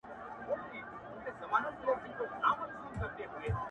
که هر څو خلګ ږغېږي چي بدرنګ یم’